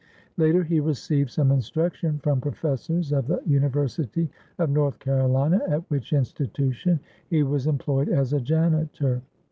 Later he received some instruction from professors of the University of North Carolina, at which institution he was employed as a janitor.